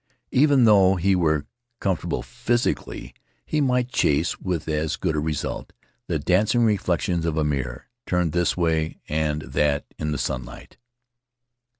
Even though he were com fortable physically he might chase, with as good result, the dancing reflections of a mirror, turned this way and that in the sunlight.